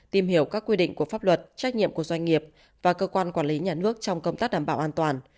tìm hiểu các quy định của pháp luật trách nhiệm của doanh nghiệp và cơ quan quản lý nhà nước trong công tác đảm bảo an toàn